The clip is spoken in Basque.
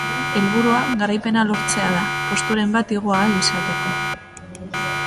Helburua garaipena lortzea da posturen bat igo ahal izateko.